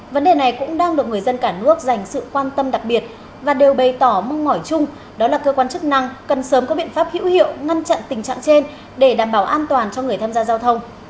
vấn đề này cũng đang được người dân cả nước dành sự quan tâm đặc biệt và đều bày tỏ mong mỏi chung đó là cơ quan chức năng cần sớm có biện pháp hữu hiệu ngăn chặn tình trạng trên để đảm bảo an toàn cho người tham gia giao thông